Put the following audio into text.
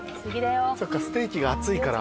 そうかステーキが厚いから。